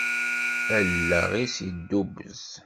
Allaɣ-is yeddubbez.